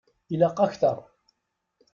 Ilaq akter.